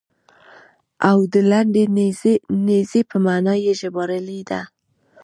او د لنډې نېزې په معنا یې ژباړلې ده.